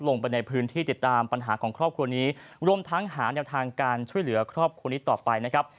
ลงไปในพื้นที่ติดตามปัญหาของครอบครัวนี้รวมทั้งหาแนวทางการช่วยเหลือครอบครัวนี้ต่อไปนะครับ